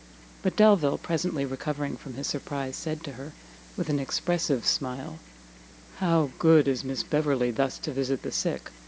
But Delvile, presently recovering from his surprise, said to her, with an expressive smile, "How good is Miss Beverley thus to visit the sick!